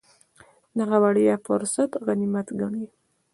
دغه وړیا فرصت غنیمت ګڼي.